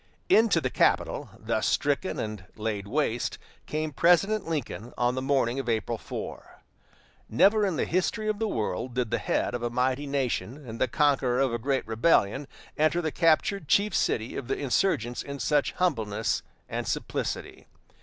Into the capital, thus stricken and laid waste, came President Lincoln on the morning of April 4. Never in the history of the world did the head of a mighty nation and the conqueror of a great rebellion enter the captured chief city of the insurgents in such humbleness and simplicity.